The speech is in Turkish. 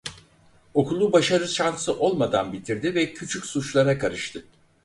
Okulu başarı şansı olmadan bitirdi ve küçük suçlara karıştı.